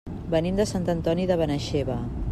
Venim de Sant Antoni de Benaixeve.